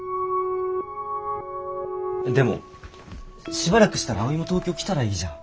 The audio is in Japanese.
でもしばらくしたら葵も東京来たらいいじゃん。